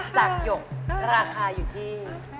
จากหยกราคาอยู่ที่